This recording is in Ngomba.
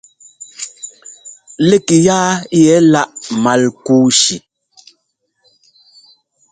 Lík yaa yɛ láʼ Malkúshi.